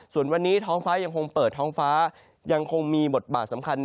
ส่วนวันนี้ท้องฟ้ายังคงเปิดท้องฟ้ายังคงมีบทบาทสำคัญ